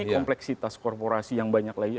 kompleksitas korporasi yang banyak lagi